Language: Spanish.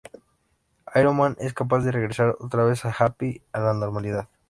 Iron Man es capaz de regresar otra vez a Happy a la normalidad.